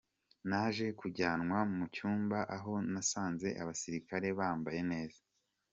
Naje kujyanwa mu cyumba aho nasanze abasirikare bambaye neza.